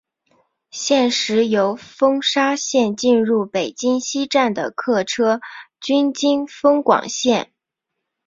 现时由丰沙线进入北京西站的客车均经丰广线。